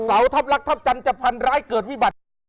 ทัพรักทัพจันทร์จะพันร้ายเกิดวิบัติ